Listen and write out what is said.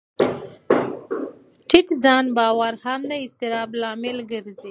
ټیټ ځان باور هم د اضطراب لامل دی.